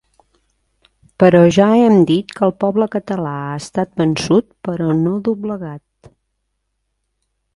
Però ja hem dit que el poble català ha estat vençut però no doblegat.